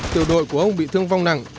tiểu đội của ông bị thương vong nặng